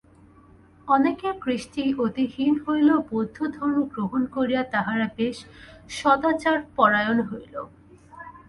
অনেকের কৃষ্টি অতি হীন হইলেও বৌদ্ধধর্ম গ্রহণ করিয়া তাহারা বেশ সদাচারপরায়ণ হইল।